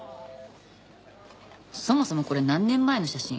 そもそもこれ何年前の写真？